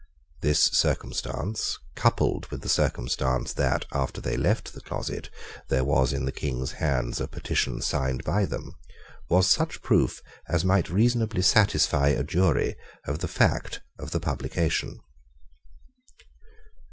This circumstance, coupled with the circumstance that, after they left the closet, there was in the King's hands a petition signed by them, was such proof as might reasonably satisfy a jury of the fact of the publication.